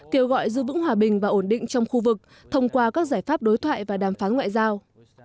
kêu gọi giữ vững hòa bình và ổn định trong khu vực thông qua các giải pháp đối thoại và đàm phán ngoại giao